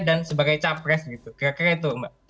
dan sebagai capres gitu kira kira itu mbak